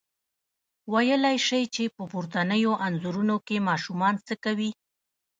ویلای شئ چې په پورتنیو انځورونو کې ماشومان څه کوي؟